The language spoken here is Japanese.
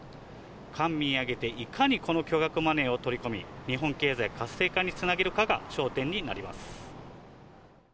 官民挙げていかにこの巨額マネーを取り込み日本経済活性化につなげるかが焦点になります。